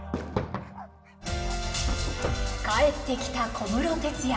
帰ってきた小室哲哉。